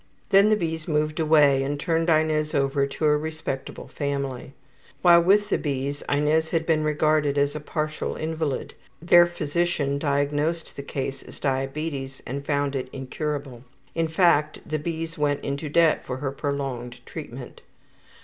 Then the B.'s moved away and turned Inez over to a respectable family. While with the B.'s Inez had been regarded as a partial invalid; their physician diagnosed the case as diabetes and found it incurable. In fact, the B.'s went into debt for her prolonged treatment.